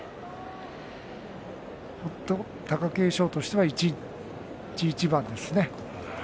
本当に貴景勝としては一日一番ですね。